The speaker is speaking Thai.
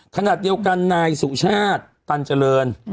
ขณะเดียวกันนายสุชาติตันเจริญ